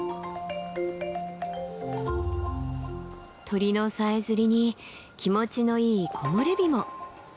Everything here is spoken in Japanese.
鳥のさえずりに気持ちのいい木漏れ日も。